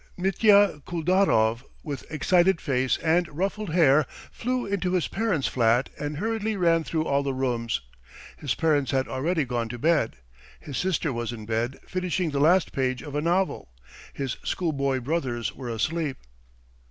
Mitya Kuldarov, with excited face and ruffled hair, flew into his parents' flat, and hurriedly ran through all the rooms. His parents had already gone to bed. His sister was in bed, finishing the last page of a novel. His schoolboy brothers were asleep.